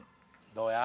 「どうや？」